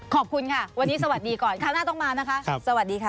ขอบคุณค่ะวันนี้สวัสดีก่อนคราวหน้าต้องมานะคะสวัสดีค่ะ